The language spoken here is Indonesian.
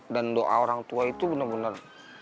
dan doa orang tua itu bener bener